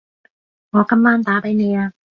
我今晚打畀你吖